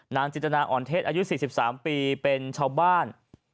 จิตนาอ่อนเทศอายุ๔๓ปีเป็นชาวบ้าน